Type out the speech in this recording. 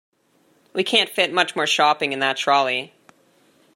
We can’t fit much more shopping in that trolley